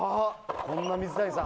こんな水谷さん